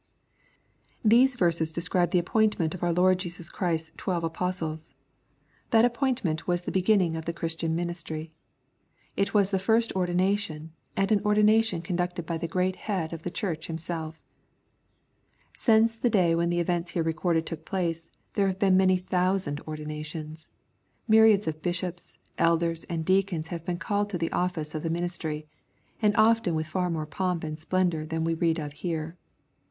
These verses describe the appointment of our Lord Jesus Christ's twelve apostles. That appointment was 8 170 EXPOSITORY THOUGHTS. the beginning of the Christian ministry. It was the first ordination, and an ordination conducted by the Great Head of the Church Himself Since the day when the events here recorded took place, there have been many thousand ordinations. Myriads of bishops, elders, and deacons have been called to the oflSce of the ministry, and often with far" more pomp and splendor than we read of here.